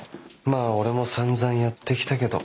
まあ俺もさんざんやってきたけど。